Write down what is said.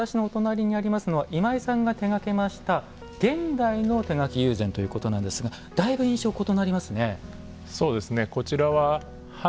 こちら側私のお隣にありますのは今井さんが手がけました現代の手描き友禅ということなんですがだいぶ印象が異なりますね。